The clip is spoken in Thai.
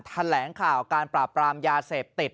แถลงข่าวการปราบปรามยาเสพติด